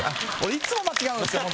いつも間違えるんですよ、僕。